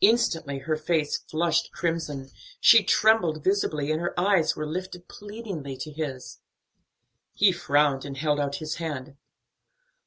Instantly her face flushed crimson, she trembled visibly, and her eyes were lifted pleadingly to his. He frowned and held out his hand.